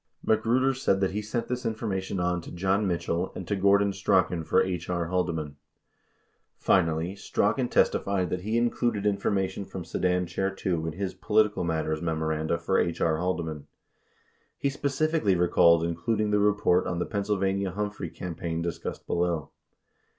77 Magruder said that he sent this information on to John Mitchell and to Gordon Strachan for H. R. Haldeman. 78 Finally, Strachan testified that he included information from Sedan Chair II in his "political matters" memoranda for H.R. Haldeman. He specifically recalled including the report on the Pennsylvania Humphrey campaign discussed below.